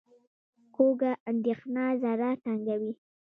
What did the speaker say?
کوږه اندېښنه زړه تنګوي